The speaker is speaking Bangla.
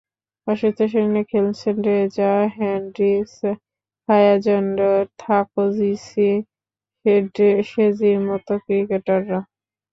অসুস্থ শরীর নিয়ে খেলেছেন Reeza Hendricks, Khaya Zondo, Thokozisi শেজির মতো ক্রিকেটাররা।